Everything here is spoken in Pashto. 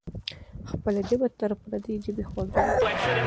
خپله ژبه تر پردۍ ژبې خوږه وي.